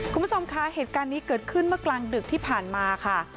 คุณผู้ชมคะเหตุการณ์นี้เกิดขึ้นเมื่อกลางดึกที่ผ่านมาค่ะ